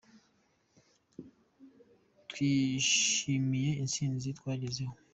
Twishimiye intsinzi twagezeho.